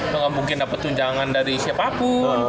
lu ga mungkin dapet tunjangan dari siapapun